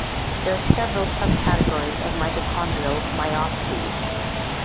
There are several subcategories of mitochondrial myopathies.